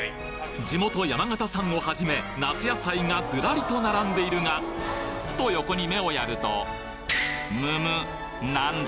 地元山形産をはじめ夏野菜がズラリと並んでいるがふと横に目をやるとむむっ何だ？